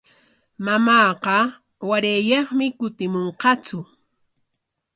Mamaama warayyaqmi kutimunqatsu.